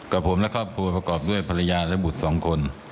กับผมและครอบครัวประกอบด้วยภรรยาและบุตรสองคน